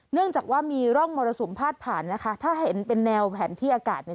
เนื่องจากว่ามีร่องมรสุมพาดผ่านนะคะถ้าเห็นเป็นแนวแผนที่อากาศเนี่ย